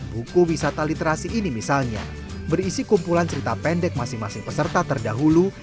buku wisata literasi ini misalnya berisi kumpulan cerita pendek masing masing peserta terdahulu